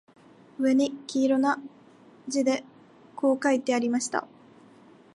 上に黄色な字でこう書いてありました